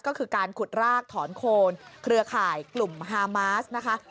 ก็คือการขุดรากถอนโคนเครือข่ายกลุ่มฮามาสนะคะ